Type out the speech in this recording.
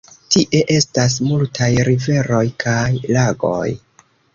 Tie estas multaj riveroj kaj lagoj.